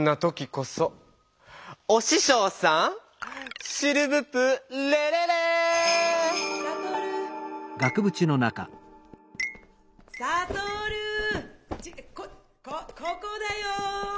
こここだよ！